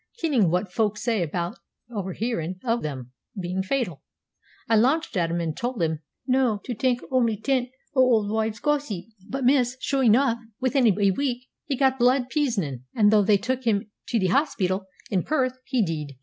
Kennin' what folk say aboot the owerhearin' o' them bein' fatal, I lauched at 'im an' told 'im no' to tak' ony tent o' auld wives' gossip. But, miss, sure enough, within a week he got blood pizinin', an', though they took 'im to the hospital in Perth, he deed."